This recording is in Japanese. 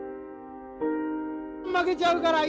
まけちゃうから！